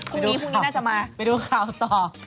พรุ่งนี้น่าจะมาไปดูข่าวต่อ